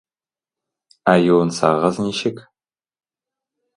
Ә юынсагыз ничек?